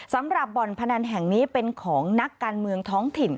บ่อนพนันแห่งนี้เป็นของนักการเมืองท้องถิ่น